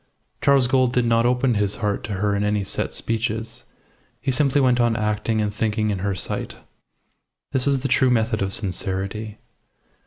Charles Gould did not open his heart to her in any set speeches. He simply went on acting and thinking in her sight. This is the true method of sincerity.